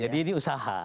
jadi ini usaha